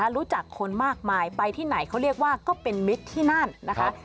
รู้จักคนมากมายไปที่ไหนเขาเรียกว่าก็เป็นมิตรที่นั่นนะคะ